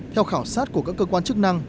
theo khảo sát của các cơ quan chức năng